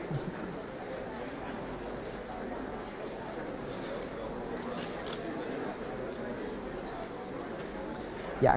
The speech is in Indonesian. kepada penyelidikan menurut presiden hollande ini terbilang sangat singkat